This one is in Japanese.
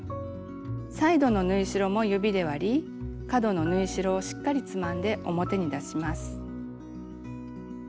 サイドの縫い代も指で割り角の縫い代をしっかりつまんで表に出します。